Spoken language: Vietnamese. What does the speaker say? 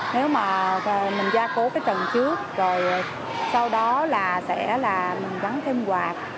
nếu mà mình gia cố cái trần trước rồi sau đó là sẽ là mình gắn thêm quạt